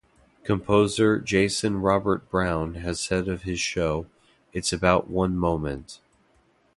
Composer Jason Robert Brown has said of his show, It's about one moment.